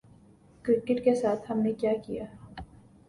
Cricket کے ساتھ ہم نے کیا کیا؟